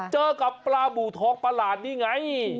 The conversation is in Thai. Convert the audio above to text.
เจอกับปลาบูทองประหลาดนี่ไง